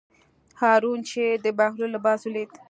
هارون چې د بهلول لباس ولید.